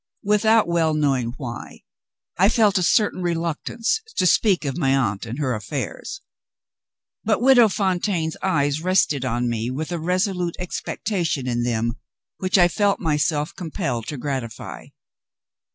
Without well knowing why, I felt a certain reluctance to speak of my aunt and her affairs. But Widow Fontaine's eyes rested on me with a resolute expectation in them which I felt myself compelled to gratify.